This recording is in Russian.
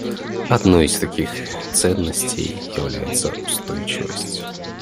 Одной из таких ценностей является устойчивость.